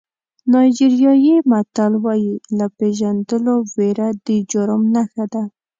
نایجیریایي متل وایي له پېژندلو وېره د جرم نښه ده.